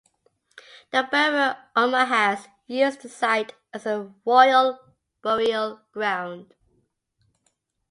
The Berber Almohads used the site as a royal burial ground.